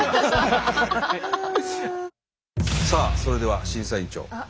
さあそれでは審査員長。